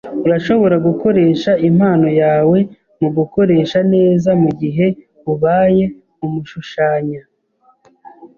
Urashobora gukoresha impano yawe mugukoresha neza mugihe ubaye umushushanya.